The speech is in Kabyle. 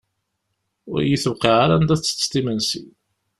Ur yi-tewqiε ara anda tettetteḍ imensi.